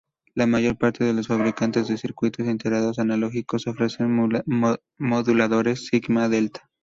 La mayor parte de los fabricantes de circuitos integrados analógicos ofrecen moduladores sigma-delta.